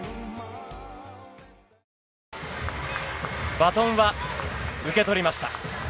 バトンは受け取りました。